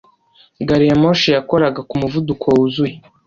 Gari ya moshi yakoraga ku muvuduko wuzuye.